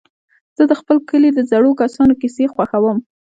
زه د خپل کلي د زړو کسانو کيسې خوښوم.